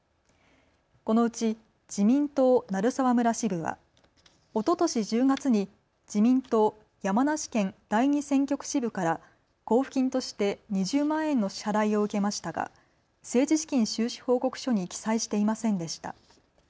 このうち自民党鳴沢村支部はおととし１０月に自民党山梨県第二選挙区支部から交付金として２０万円の支払いを受けましたが政治資金収支報告書に記載していませんでした。